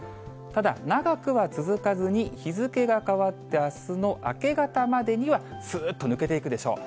ただ、長くは続かずに、日付が変わってあすの明け方までには、すーっと抜けていくでしょう。